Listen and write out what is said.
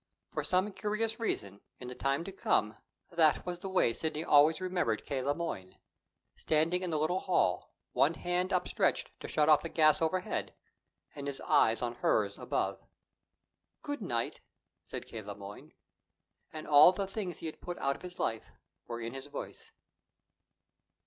For some curious reason, in the time to come, that was the way Sidney always remembered K. Le Moyne standing in the little hall, one hand upstretched to shut off the gas overhead, and his eyes on hers above. "Good night," said K. Le Moyne. And all the things he had put out of his life were in his voice.